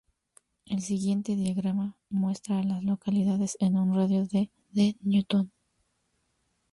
El siguiente diagrama muestra a las localidades en un radio de de Newton.